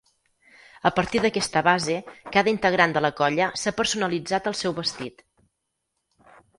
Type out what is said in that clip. A partir d'aquesta base cada integrant de la colla s'ha personalitzat el seu vestit.